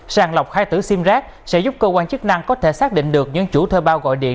sàng lọc khai tử sim rác sẽ giúp cơ quan chức năng có thể xác định được những chủ thuê bao gọi điện